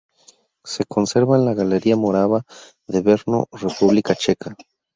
Se conserva en la Galería Morava de Brno, República Checa.